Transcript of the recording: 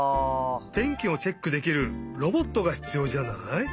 てんきをチェックできるロボットがひつようじゃない？